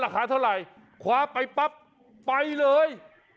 ราคาเท่าไหร่คว้าไปปั๊บไปเลย